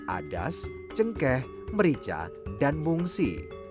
adas cengkeh merica dan mungsi